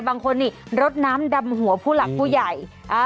บางคนนี่รดน้ำดำหัวผู้หลักผู้ใหญ่